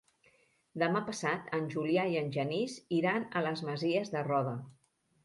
Demà passat en Julià i en Genís iran a les Masies de Roda.